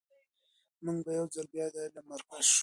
موږ به یو ځل بیا د علم مرکز شو.